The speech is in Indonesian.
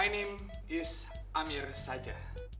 eh nama saya amir saja